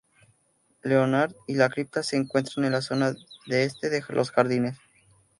Leonard y la cripta se encuentran en la zona este de los jardines.